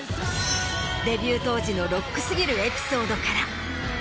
デビュー当時のロック過ぎるエピソードから。